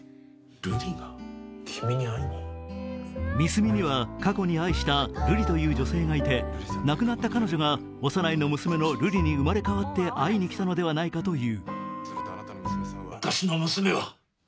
三角には過去に愛した瑠璃という女性がいて、亡くなった彼女が小山内の娘の瑠璃に生まれ変わって会いにきたのではないかという。